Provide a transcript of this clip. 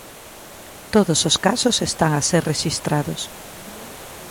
Todos os casos están a ser rexistrados.